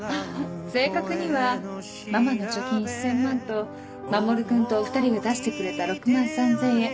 正確にはママの貯金１０００万と守君とお２人が出してくれた６万３０００円。